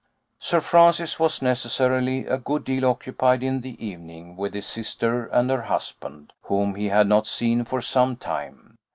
Sir Francis was necessarily a good deal occupied in the evening with his sister and her husband, whom he had not seen for some time.